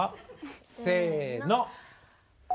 せの。